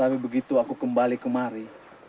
tapi begitu aku kembali kemari